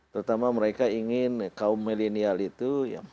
terutama mereka ingin kaum milenial itu